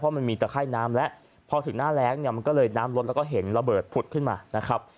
มันมีตะไข้น้ำแล้วพอถึงหน้าแรงเนี่ยมันก็เลยน้ำลดแล้วก็เห็นระเบิดผุดขึ้นมานะครับ